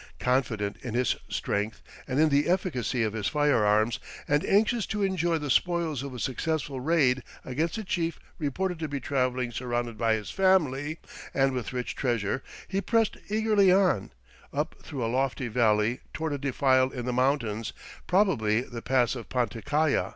Confident in his strength and in the efficacy of his firearms, and anxious to enjoy the spoils of a successful raid against a chief reported to be traveling surrounded by his family "and with rich treasure," he pressed eagerly on, up through a lofty valley toward a defile in the mountains, probably the Pass of Panticalla.